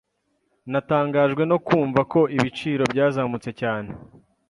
Natangajwe no kumva ko ibiciro byazamutse cyane.